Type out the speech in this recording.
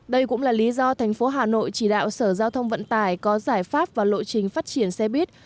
đây cũng là lý do thành phố hà nội chỉ đạo sở giao thông vận tải có giải pháp và lộ trình phát triển xe buýt